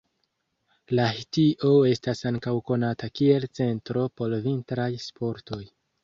Lahtio estas ankaŭ konata kiel centro por vintraj sportoj.